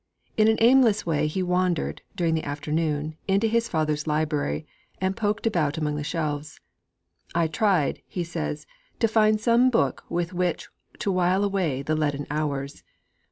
In an aimless way he wandered, during the afternoon, into his father's library, and poked about among the shelves. 'I tried,' he says, 'to find some book with which to while away the leaden hours.